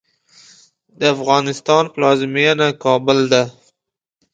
د افغانستان پلازمېنه کابل ده